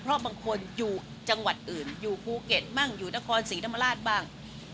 เพราะบางคนอยู่จังหวัดอื่นอยู่ภูเก็ตบ้างอยู่นครศรีธรรมราชบ้าง